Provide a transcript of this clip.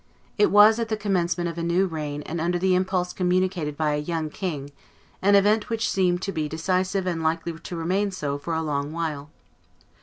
It was, at the commencement of a new reign and under the impulse communicated by a young king, an event which seemed to be decisive and likely to remain so for a long while.